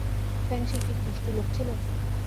ফেংশি কি দুষ্টু লোক ছিলো?